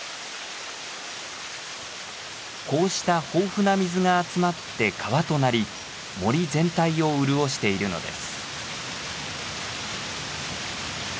こうした豊富な水が集まって川となり森全体を潤しているのです。